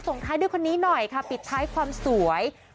ท้ายด้วยคนนี้หน่อยค่ะปิดท้ายความสวย